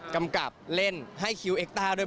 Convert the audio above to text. กำกับเล่นให้คิวเอ็กต้าด้วย